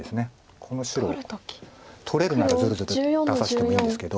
この白を取れるならずるずる出させてもいいんですけど。